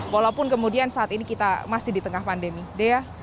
walaupun kemudian saat ini kita masih di tengah pandemi dea